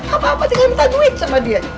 apa apa sih kamu tak duit sama dia